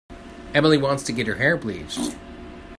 Emily wants to get her hair bleached.